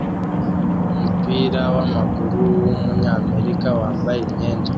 Umupira wamaguru wumunyamerika wambaye imyenda